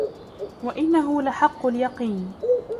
وَإِنَّهُ لَحَقُّ الْيَقِينِ